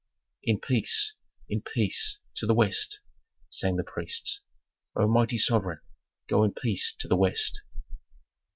"In peace, in peace, to the West," sang the priests. "O mighty sovereign, go in peace to the West."